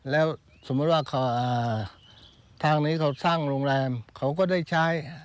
แล้วสมมุติว่าทางนี้เขาสร้างโรงแรมเขาก็ได้ใช้